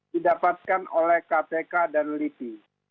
didapatkan oleh kpk dan lipi